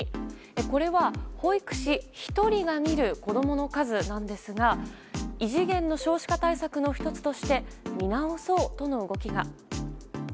これは保育士１人が見る子供の数なんですが異次元の少子化対策の１つとして見直そうとの動きが。